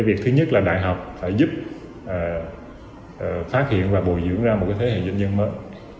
việc thứ nhất là đại học phải giúp phát hiện và bồi dưỡng ra một thế hệ doanh nhân mới